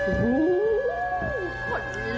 หลุบ